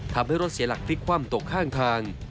ทำให้รถเสียหลักพลิกคว่ำตกข้างทาง